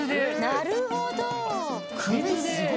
なるほど。